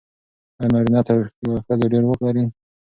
آیا نارینه تر ښځو ډېر واک لري؟